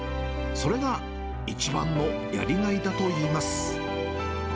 それが一番のやりがいだといいます。